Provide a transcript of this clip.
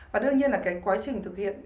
và đương nhiên là cái quá trình thực hiện